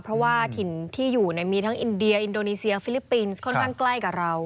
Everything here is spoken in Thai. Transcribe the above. เพราะว่าถิ่นที่อยู่มีทั้งอินเดียอินโดนีเซียฟิลิปปินส์ค่อนข้างใกล้กับเรา